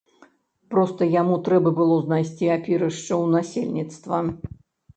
Проста яму трэба было знайсці апірышча ў насельніцтва.